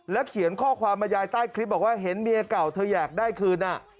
เขียนข้อความมายายใต้คลิปบอกว่าเห็นเมียเก่าเธออยากได้คืน